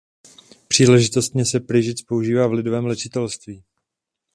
Příležitostně se pryšec používá v lidovém léčitelství.